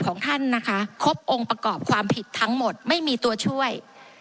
ของท่านนะคะครบองค์ประกอบความผิดทั้งหมดไม่มีตัวช่วย